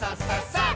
さあ！